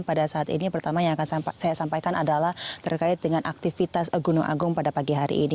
pada saat ini pertama yang akan saya sampaikan adalah terkait dengan aktivitas gunung agung pada pagi hari ini